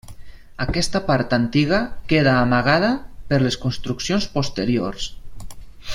Aquesta part antiga queda amagada per les construccions posteriors.